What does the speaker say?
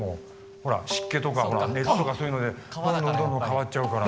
ほら湿気とか熱とかそういうのでどんどんどんどん変わっちゃうから。